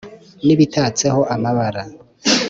n'ibitatseho amabara